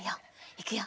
いくよ。